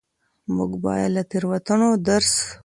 موږ بايد له تېروتنو درس واخلو.